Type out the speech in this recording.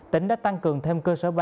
tỉnh đã tăng cường thêm cơ sở ba